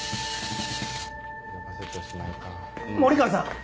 森川さん！